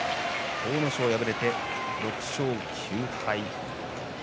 阿武咲、敗れて６勝９敗です。